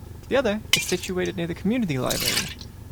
The other is situated near the community library.